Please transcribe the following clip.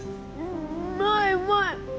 うまいうまい